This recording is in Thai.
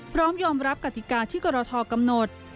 พร้อมยอมรับกติกาที่กรทกำหนด